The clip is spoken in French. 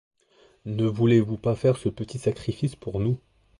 Ne voulez pas faire ce petit sacrifice pour nous.